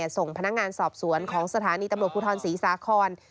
ส่งพนักงานสอบสวนของสถานีตำรวจภูทรศรีสาคร